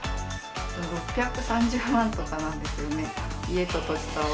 ６３０万とかなんですよね。